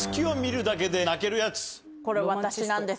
これ私なんです。